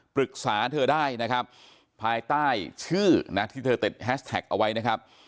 ปรึกษาเธอได้นะครับภายใต้ชื่อนะที่เธอติดแฮชแท็กเอาไว้นะครับ